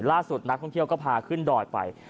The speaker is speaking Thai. ล่าสุดนักท่องเที่ยวก็พาขึ้นดอยไป